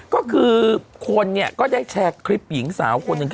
ก็คือคนเนี่ยก็ได้แชร์คลิปหญิงสาวคน